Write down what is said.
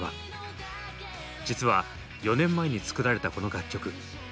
実は４年前に作られたこの楽曲。